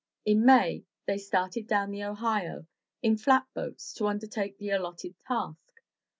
In May they started down the Ohio in flatboats to undertake the allotted task.